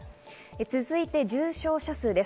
続いて重症者です。